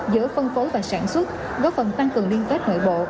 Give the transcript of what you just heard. giữa phân phối và sản xuất góp phần tăng cường liên kết nội bộ